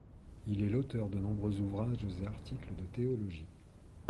Il est l'auteur de nombreux ouvrages et articles de théologie.